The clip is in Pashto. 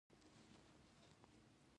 پاکستان خپل هوايي حريم پرې بند کړی